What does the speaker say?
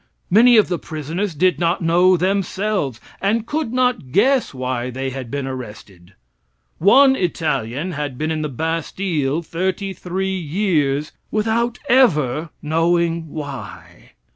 Many of the prisoners did not know themselves, and could not guess why they had been arrested. One Italian had been in the Bastille thirty three years without ever knowing why.